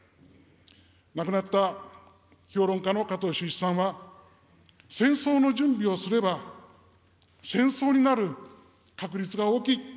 亡くなった評論家の加藤周一さんは、戦争の準備をすれば、戦争になる確率が大きい。